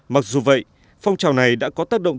mặc dù vậy phong trào này đã có tác động